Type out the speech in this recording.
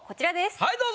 はいどうぞ。